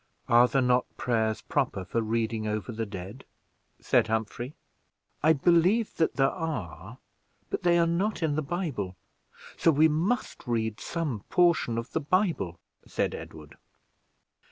"Are there not prayers proper for reading over the dead?" said Humphrey. "I believe that there are, but they are not in the Bible, so we must read some portion of the Bible," said Edward.